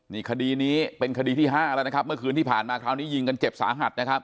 นี่คดีนี้เป็นคดีที่ห้าแล้วนะครับเมื่อคืนที่ผ่านมาคราวนี้ยิงกันเจ็บสาหัสนะครับ